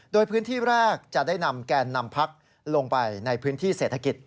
โดยพื้นที่แรกจะได้นำแกนนำพักลงไปในพื้นที่เศรษฐกิจ